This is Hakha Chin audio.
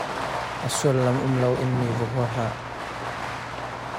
A sullam um lo in mi va hua hlah.